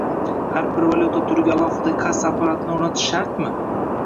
Har bir valyuta turiga alohida kassa apparatini o’rnatish shartmi?